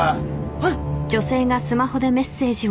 はい！